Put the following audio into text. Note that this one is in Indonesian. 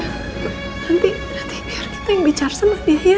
nanti nanti biar kita yang bicara sama dia ya